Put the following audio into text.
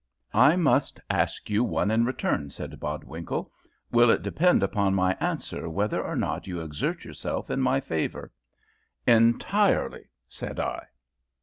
"I must ask you one in return," said Bodwinkle: "Will it depend upon my answer whether or not you exert yourself in my favour?" "Entirely," said I.